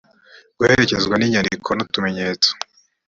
guherekezwa n inyandiko nutumenyetso